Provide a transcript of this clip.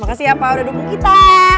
makasih ya pak udah dukung kita